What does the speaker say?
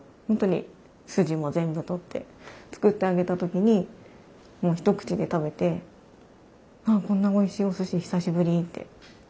本当に筋も全部取って作ってあげた時に一口で食べて「あっこんなおいしいおすし久しぶり」って。